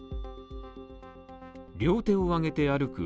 両手を上げて歩く